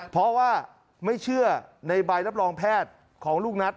เพราะว่าไม่เชื่อในใบรับรองแพทย์ของลูกนัท